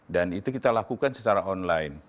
dan itu kita lakukan secara online